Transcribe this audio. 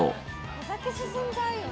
お酒進んじゃうよね。